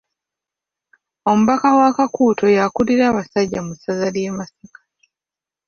Omubaka wa Kakuuto y'akulira abasajja mu ssaza ly'e Masaka.